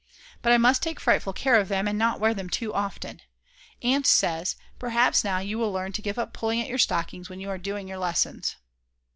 But I must take frightful care of them and not wear them too often. Aunt says: "Perhaps now you will learn to give up pulling at your stockings when you are doing your lessons."